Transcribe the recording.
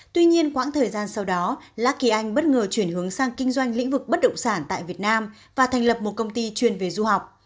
tuy nhiên quãng thời gian sau đó la kỳ anh bất ngờ chuyển hướng sang kinh doanh lĩnh vực bất động sản tại việt nam và thành lập một công ty chuyên về du học